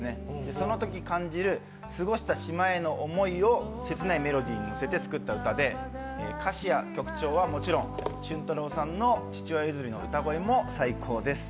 そのとき感じる過ごした島への思いを切ないメロディーにのせて作った歌で、歌詞や曲調はもちろん舜太朗さんの父親譲りの歌声も最高です。